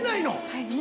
はい。